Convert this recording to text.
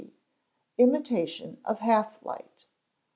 Imitation of Half Light.